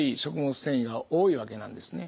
繊維が多いわけなんですね。